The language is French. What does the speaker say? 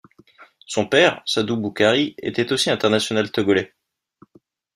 Son père, Sadou Boukari, était aussi international togolais.